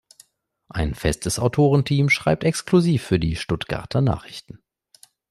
Ein festes Autoren-Team schreibt exklusiv für die "Stuttgarter Nachrichten".